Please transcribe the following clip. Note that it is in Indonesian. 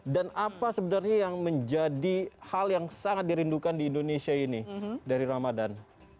dan apa sebenarnya yang menjadi hal yang sangat dirindukan di indonesia ini dari ramadan